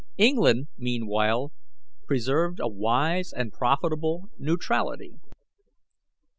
England, meanwhile, preserved a wise and profitable neutrality.